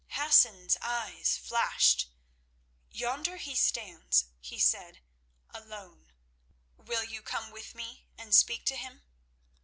Hassan's eyes flashed. "Yonder he stands," he said, "alone. Will you come with me and speak to him?"